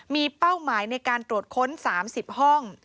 มีเป้าหมายในการตรวจค้น๓๐ห้อง